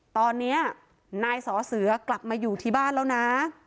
ตอนนี้นายสอเสือกลับมาอยู่ที่บ้านแล้วนะ